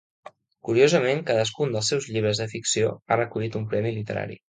Curiosament, cadascun dels seus llibres de ficció ha recollit un premi literari.